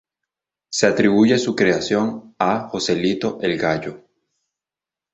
Se atribuye su creación a Joselito el Gallo.